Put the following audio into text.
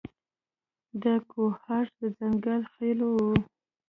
د کوهاټ د ځنګل خېلو و.